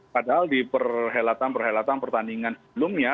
padahal di perhelatan perhelatan pertandingan sebelumnya